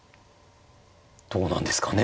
どうなんですかね。